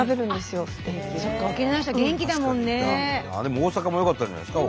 大阪もよかったんじゃないですか？